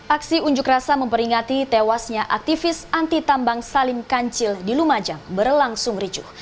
aksi unjuk rasa memperingati tewasnya aktivis anti tambang salim kancil di lumajang berlangsung ricuh